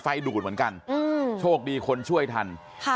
ดูดเหมือนกันโชคดีคนช่วยทัน